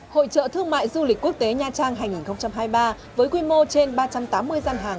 hội trợ thương mại du lịch quốc tế nha trang hai nghìn hai mươi ba với quy mô trên ba trăm tám mươi gian hàng